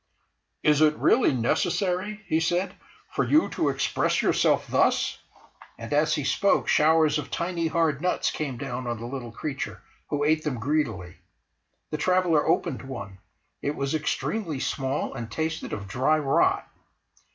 "Is it really necessary," he said, "for you to express yourself thus?" And as he spoke showers of tiny hard nuts came down on the little creature, who ate them greedily. The traveller opened one; it was extremely small and tasted of dry rot.